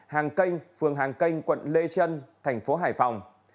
hàng canh phường hàng canh quận lê trân thành phố hải phòng